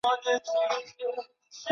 三重县出身。